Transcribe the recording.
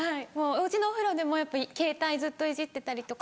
お家のお風呂でもケータイずっといじってたりとか。